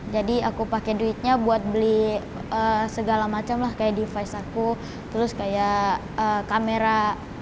jadi aku pake duitnya buat beli segala macam lah kayak device aku terus kayak kamera